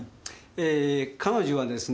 えー彼女はですね